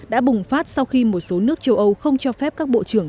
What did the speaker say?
đã bùng phát sau khi một số nước châu âu không cho phép các bộ trưởng